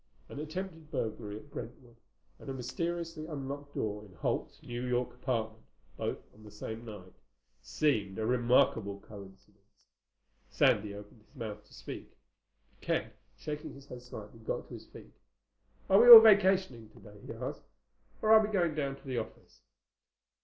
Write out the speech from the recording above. An attempted burglary in Brentwood and a mysteriously unlocked door in Holt's New York apartment, both on the same night, seemed a remarkable coincidence. Sandy opened his mouth to speak. But Ken, shaking his head slightly, got to his feet. "Are we all vacationing today?" he asked. "Or are we going down to the office?"